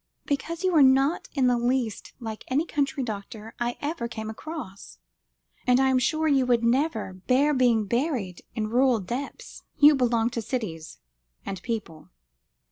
"Because you are not in the least like any country doctor I ever came across; and I am sure you would never bear being buried in rural depths. You belong to cities, and people."